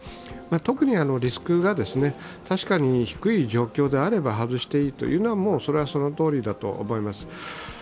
特にリスクが確かに低い状況であれば外していいのというのは、そのとおりだと思います。